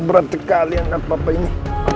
brat sekali anak papa ini